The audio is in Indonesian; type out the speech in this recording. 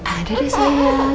ada deh sayang